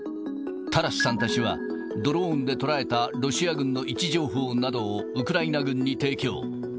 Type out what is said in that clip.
タラスさんたちは、ドローンで捉えたロシア軍の位置情報などをウクライナ軍に提供。